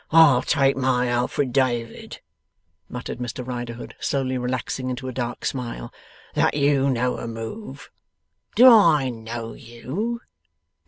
'I'll take my Alfred David,' muttered Mr Riderhood, slowly relaxing into a dark smile, 'that you know a move. Do I know YOU?